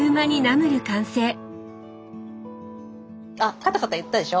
あカタカタ言ったでしょ。